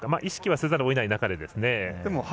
意識はせざるをえない中で。